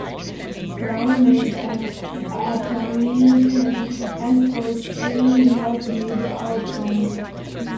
Brown made an appointment for spring, not mid-autumn.